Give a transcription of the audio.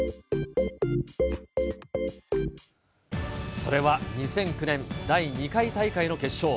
それは２００９年、第２回大会の決勝。